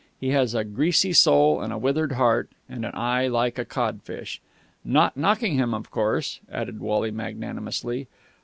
He has a greasy soul, a withered heart, and an eye like a codfish. Not knocking him, of course!" added Wally magnanimously.